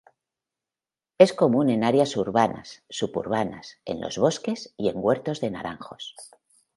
Es común en áreas urbanas, suburbanas, en los bosques y huertos de naranjos.